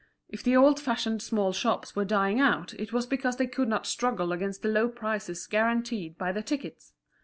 If the old fashioned small shops were dying out it was because they could not struggle against the low prices guaranteed by the tickets.